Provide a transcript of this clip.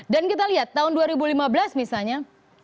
dan kita lihat tahun dua ribu lima belas misalnya